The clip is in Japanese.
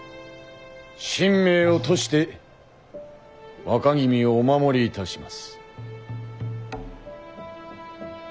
身命を賭して若君をお守りいたします。